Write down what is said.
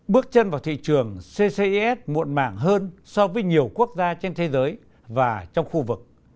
bước chân vào thị trường ccis muộn màng hơn so với nhiều quốc gia trên thế giới và trong khu vực